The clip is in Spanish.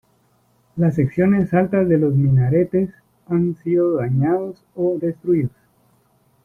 Las secciones altas de los minaretes han sido dañados o destruidos.